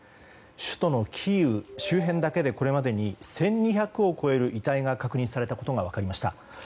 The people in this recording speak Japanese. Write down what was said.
首都キーウ周辺だけでこれまでに１２００を超える遺体が確認されたことが分かりました。